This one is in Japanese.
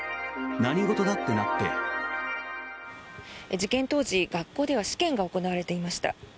事件当時、学校では試験が行われていました。